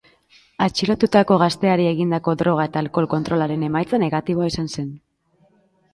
Atxilotutako gazteari egindako droga eta alkohol kontrolaren emaitza negatiboa izan zen.